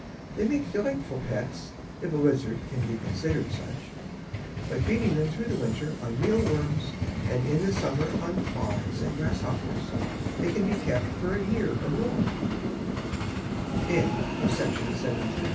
They make delightful pets, if a lizard can be considered such. By feeding them through the winter on meal worms and in the summer on flies and grasshoppers they can be kept for a year or more." A NIGHT IN THE FLOWER GARDEN.